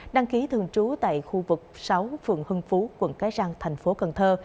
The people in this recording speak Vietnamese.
đăng ký thường trú tại khu vực sáu phường hưng phú quận cái răng thành phố cần thơ